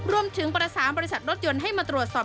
รวมถึงประสานบริษัทรถยนต์ให้มาตรวจสอบ